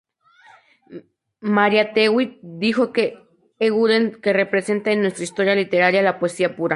Mariátegui dijo de Eguren que "representa en nuestra historia literaria la poesía pura".